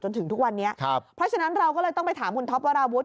จนถึงทุกวันนี้ครับเพราะฉะนั้นเราก็เลยต้องไปถามคุณท็อปวราวุฒิ